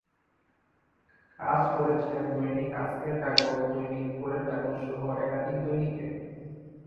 কাজ করেছেন দৈনিক আজকের কাগজ, দৈনিক ভোরের কাগজ সহ একাধিক দৈনিকে।